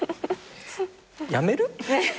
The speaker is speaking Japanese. やめる？